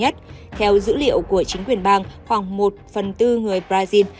theo dữ liệu của chính quyền bang khoảng một phần tư người brazil